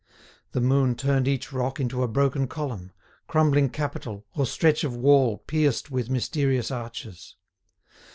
The moon turned each rock into a broken column, crumbling capital, or stretch of wall pierced with mysterious arches.